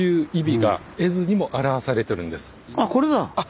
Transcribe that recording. あこれだ！